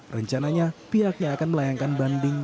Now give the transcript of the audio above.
rencananya pihaknya akan melayangkan banding